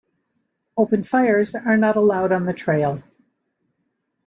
Open fires are not allowed on the trail.